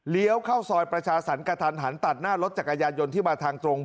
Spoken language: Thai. เข้าซอยประชาสรรกระทันหันตัดหน้ารถจักรยานยนต์ที่มาทางตรง